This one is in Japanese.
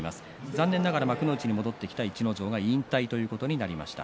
残念ながら幕内に戻ってきた逸ノ城が引退ということになりました。